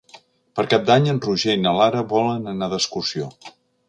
Per Cap d'Any en Roger i na Lara volen anar d'excursió.